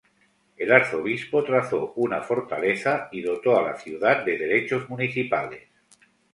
El Arzobispo trazó una fortaleza y dotó a la ciudad de derechos municipales.